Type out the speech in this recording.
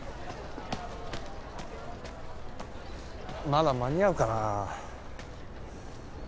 まだ間に合うかな？